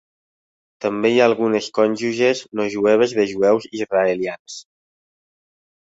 També hi ha algunes cònjuges no jueves de jueus israelians.